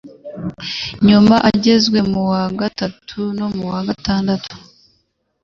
nyuma igezwe mu wa gatatu no mu wa gatandatu.